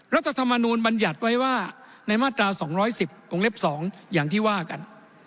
รัฐธรรมนูลบัญญัติไว้ว่าในมาตรา๒๑๐วงเล็บ๒อย่างที่ว่ากัน